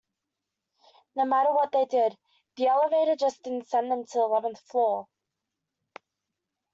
No matter what they did, the elevator just didn't send them to the eleventh floor.